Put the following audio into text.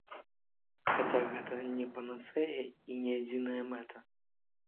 Хаця гэта не панацэя і не адзіная мэта.